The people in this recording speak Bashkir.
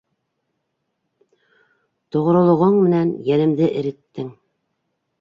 Тоғролоғоң менән йәнемде эреттең.